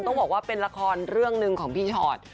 ต้องบอกว่าเป็นละครเรื่องหนึ่งของพี่ชอต